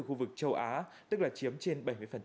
khu vực châu á tức là chiếm trên bảy mươi